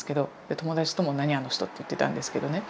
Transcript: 友達とも「何あの人」って言ってたんですけどね。